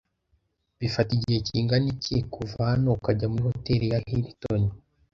Bifata igihe kingana iki kuva hano ukajya muri Hotel ya Hilton?